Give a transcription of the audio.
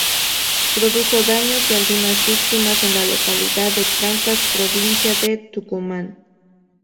Produjo daños y algunas víctimas en la localidad de Trancas, provincia de Tucumán.